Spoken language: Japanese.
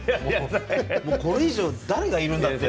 これ以上誰がいるんだって。